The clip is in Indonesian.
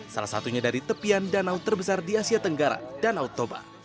salah satunya dari tepian danau terbesar di asia tenggara danau toba